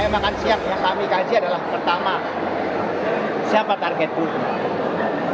makan siang yang kami kaji adalah pertama siapa target buruh